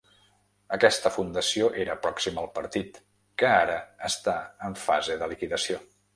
Aquesta fundació era pròxima al partit, que ara està en fase de liquidació.